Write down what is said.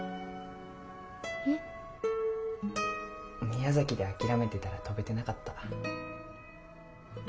・宮崎で諦めてたら飛べてなかった。